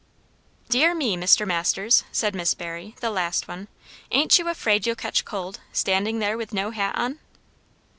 "Dear me, Mr. Masters!" said Miss Barry, the last one, "ain't you afraid you'll catch cold, standing there with no hat on?"